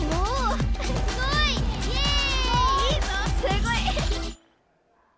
すごい！